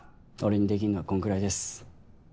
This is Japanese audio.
俺にできんのはこんくらいです